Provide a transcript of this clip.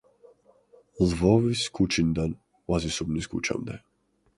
ლვოვის ქუჩიდან ვაზისუბნის ქუჩამდე.